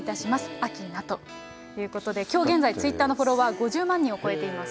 明菜ということで、きょう現在、ツイッターのフォロワーは５０万人を超えています。